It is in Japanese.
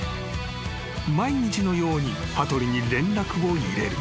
［毎日のように羽鳥に連絡を入れる］